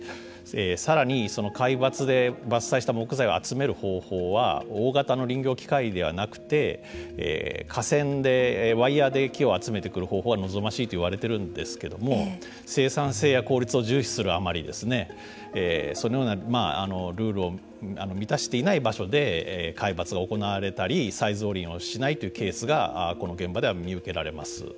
さらに、その皆伐で伐採した木材を集める方法は大型の林業機械ではなくて架線で、ワイヤーで木を集めてくる方法は望ましいといわれているんですけれども生産性や効率を重視するあまりそのようなルールを満たしていない場所で皆伐が行われたり再造林をしないというケースがこの現場では見受けられます。